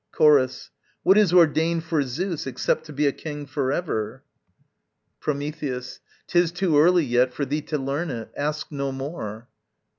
Chorus. What is ordained for Zeus, except to be A king for ever? Prometheus. 'Tis too early yet For thee to learn it: ask no more.